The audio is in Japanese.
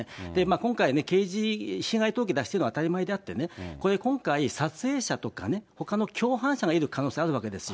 今回、刑事、被害届出してるのは当たり前であってね、これ、今回、撮影者とかね、ほかの共犯者がいる可能性あるわけですよ。